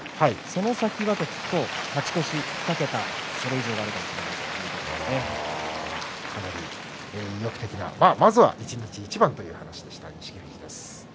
その先は？と聞くと勝ち越し２桁、それ以上もあるかもまずは一日一番という話でした。